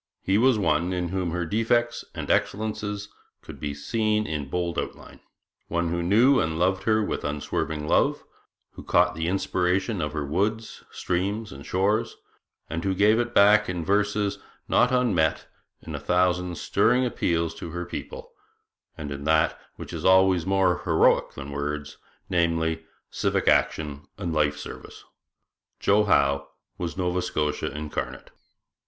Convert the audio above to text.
He was one in whom her defects and excellences could be seen in bold outline; one who knew and loved her with unswerving love; who caught the inspiration of her woods, streams, and shores; and who gave it back in verses not unmeet, in a thousand stirring appeals to her people, and in that which is always more heroic than words, namely, civic action and life service. 'Joe' Howe was Nova Scotia incarnate.